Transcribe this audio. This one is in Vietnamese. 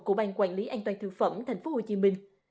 của bang quản lý an toàn thực phẩm thành phố hồ chí minh